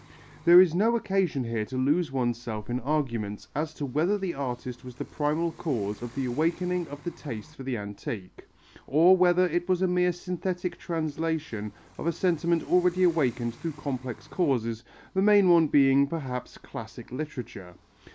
There is no occasion here to lose oneself in arguments as to whether the artist was the primal cause of the awakening of the taste for the antique, or whether it was a mere synthetic translation of a sentiment already awakened through complex causes, the main one being, perhaps, classic literature.